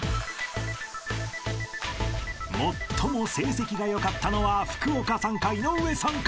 ［最も成績が良かったのは福岡さんか井上さんか］